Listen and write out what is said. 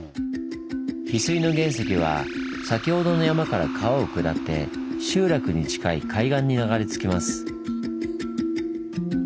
ヒスイの原石は先ほどの山から川を下って集落に近い海岸に流れ着きます。